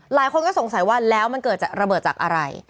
หลายคนก็สงสัยว่าแล้วมันเกิดจากระเบิดจากอะไร